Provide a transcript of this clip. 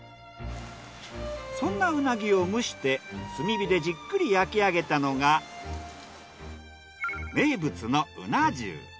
そんなうなぎを蒸して炭火でじっくり焼き上げたのが名物のうな重。